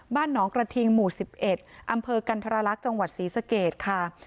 บ้านหนองกระทิงหมู่๑๑อำเภอกันธรรลักษณ์จังหวัดศรีสเกตค่ะ